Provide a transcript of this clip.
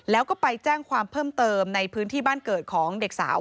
แล้วก็ไปแจ้งความเพิ่มเติมในพื้นที่บ้านเกิดของเด็กสาว